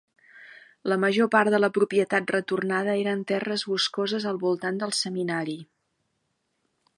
La major part de la propietat retornada eren terres boscoses al voltant del seminari.